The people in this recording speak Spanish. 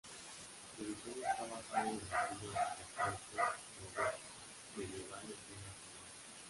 Su diseño está basado en el estilo arquitectónico neogótico medieval en piedra tallada.